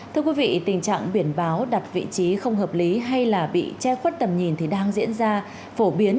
thưa quý vị tình trạng biển báo đặt vị trí không hợp lý hay là bị che khuất tầm nhìn thì đang diễn ra phổ biến